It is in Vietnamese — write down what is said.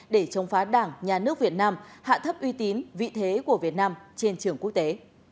để chống phá đảng nhà nước việt nam hạ thấp uy tín vị thế của việt nam trên trường quốc tế